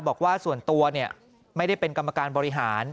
บอกว่าส่วนตัวไม่ได้เป็นกรรมการบริหาร